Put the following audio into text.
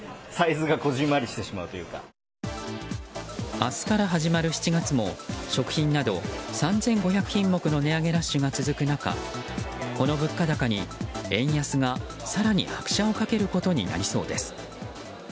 明日から始まる７月も食品など３５００品目の値上げラッシュが続く中この物価高に、円安が更に拍車を掛けることになりそうです。